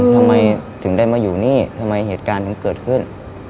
ทำไมถึงได้มาอยู่นี่ทำไมเหตุการณ์ถึงเกิดขึ้น